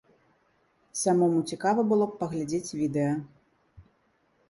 Самому цікава было б паглядзець відэа.